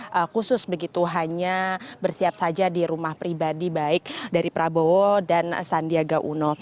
dan khusus begitu hanya bersiap saja di rumah pribadi baik dari prabowo dan sandiaga uno